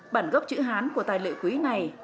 bản gốc chữ hán của tài liệu quý này